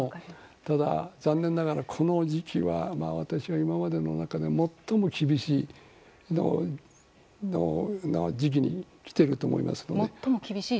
ただ、残念ながらこの時期は私は今までの中で最も厳しい時期にきていると思います。